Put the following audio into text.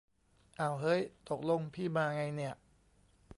อ้าวเฮ้ย ตกลงพี่มาไงเนี่ย